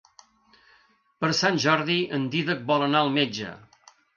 Per Sant Jordi en Dídac vol anar al metge.